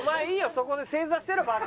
そこで正座してろバカ。